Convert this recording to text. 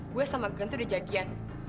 gue sama glen tuh udah jadian